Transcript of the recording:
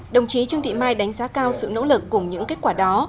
đồng chí trương thị mai đánh giá cao sự nỗ lực cùng những kết quả đó